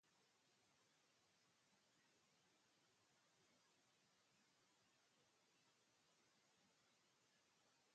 En cuanto al tratamiento, se basa en el reposo cervical y la fisioterapia.